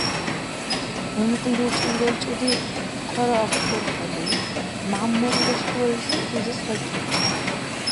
Ункъли ручӀули белчӀуди хъараахъурхӀели, Мяммаулла школализи рузес ракӀиб.